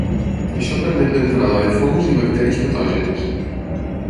Això permet l'entrada de fongs i bacteris patògens.